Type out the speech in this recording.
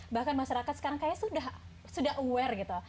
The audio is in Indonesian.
bahkan masyarakat sekarang kayaknya sudah aware gitu